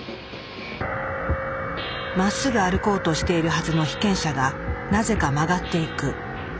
まっすぐ歩こうとしているはずの被験者がなぜか曲がっていく。